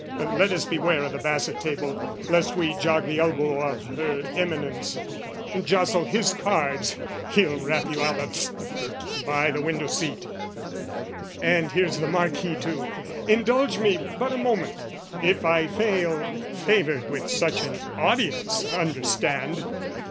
Let us beware o' the basset table lest We jog the elbow of Her Eminence, Jostle his cards, he'll rap you out a...st! By the window seat! And here's the Marquis too! Indulge me but a moment: if I fail Favoured with such an audience, understand!